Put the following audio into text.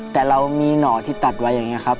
แต่เรามีหน่อที่ตัดไว้อย่างนี้ครับ